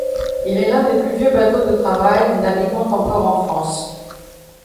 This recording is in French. Il est l'un des plus vieux bateaux de travail naviguant encore en France.